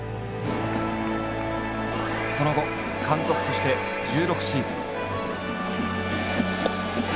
その後監督として１６シーズン。